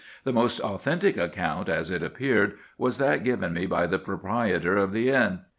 The most authentic account, as it appeared, was that given me by the proprietor of the inn.